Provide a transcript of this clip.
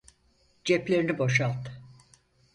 Ceplerini boşalt.